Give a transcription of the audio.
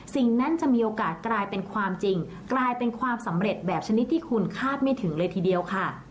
สิ่งนั้นจะมีโอกาสกลายเป็นความจริงกลายเป็นความสำเร็จแบบชนิดที่คุณคาดไม่ถึงเลยทีเดียวค่ะ